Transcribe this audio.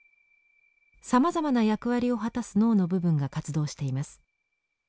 さまざまな役割を果たす脳の部分が活動しています。